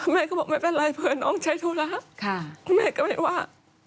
แม่ก็บอกไม่เป็นไรเผื่อน้องใช้ธุระคุณแม่ก็ไม่ว่า